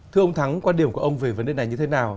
thưa ông thắng quan điểm của ông về vấn đề này như thế nào